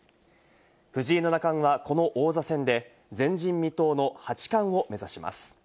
藤井七冠はこの王座戦で前人未到の八冠を目指します。